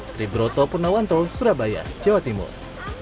trib broto purnawantol surabaya jawa timur